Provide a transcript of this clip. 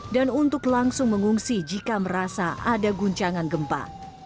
dan untuk langsung mengungsi jika merasa ada guncangan gempa